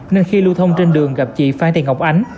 nên khi lưu thông trên đường gặp chị phan tiền ngọc ánh